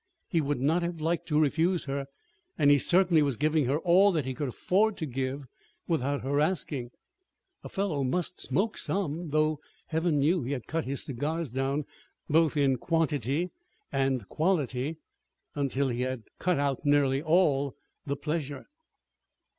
He would not have liked to refuse her; and he certainly was giving her all that he could afford to give, without her asking. A fellow must smoke some though Heaven knew he had cut his cigars down, both in quantity and quality, until he had cut out nearly all the pleasure!